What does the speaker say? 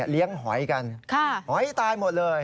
เลี้ยงหอยกันหอยตายหมดเลย